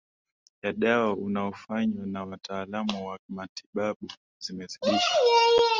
ya dawa unaofanywa na wataalamu wa kimatabibu zimezidisha